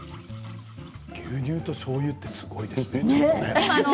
牛乳としょうゆってすごいですよね。